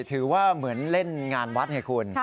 ถือว่าเหมือนเล่นงานวัดไงคุณ